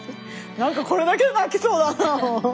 何かこれだけで泣きそうだなもう。